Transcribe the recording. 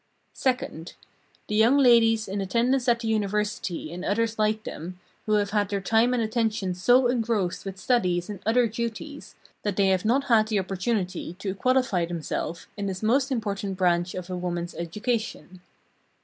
Second The young ladies in attendance at the University and others like them, who have had their time and attention so engrossed with studies and other duties that they have not had the opportunity to qualify themselves in this most important branch of a woman's education.